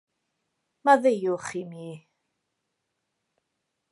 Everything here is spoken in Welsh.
Maddeuwch i mi.